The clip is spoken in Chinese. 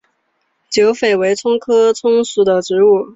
碱韭为葱科葱属的植物。